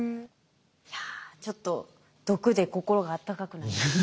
いやちょっと毒で心が温かくなりました。